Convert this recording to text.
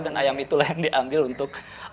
dan ayam itulah yang diambil untuk